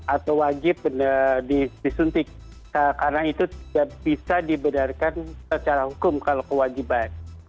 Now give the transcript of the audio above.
atau wajib disuntik karena itu tidak bisa dibenarkan secara hukum kalau kewajiban